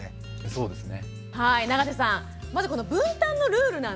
そうですね。